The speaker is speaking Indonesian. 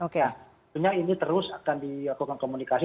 tentunya ini terus akan dilakukan komunikasi